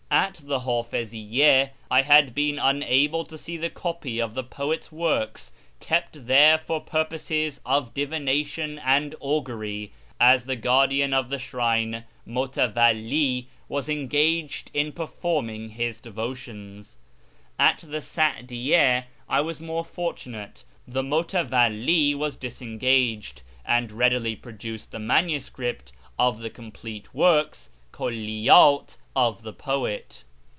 At the Hdfiziyy6 I had been unable to see the copy of the poet's works kept there for purposes of divination and augury, as the guardian of the shrine {mutavxdli) was engaged in performing his devotions. At the Sadiyyd I was more fortunate ; the mutaivalli was disengaged, and readily produced the manuscript of the complete works {hulliydt) of the poet.